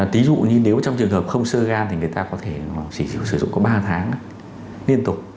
tí dụ như nếu trong trường hợp không sơ gan thì người ta có thể sử dụng có ba tháng liên tục